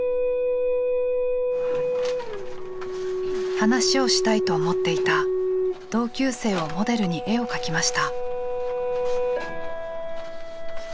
話をしたいと思っていた同級生をモデルに絵を描きました。